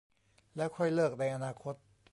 แล้วค่อยเลิกในอนาคต